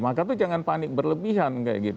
maka tuh jangan panik berlebihan